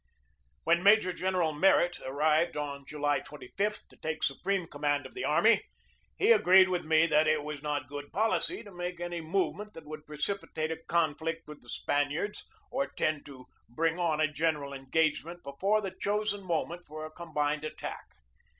When Major General Merritt arrived on July 25 to take supreme command of the army, he agreed with me that it was not good policy to make any movement that would precipitate a conflict with the Spaniards or tend to bring on a general engagement before the chosen moment for a combined attack.